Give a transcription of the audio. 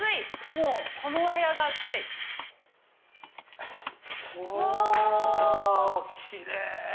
もう、このお部屋が暑い。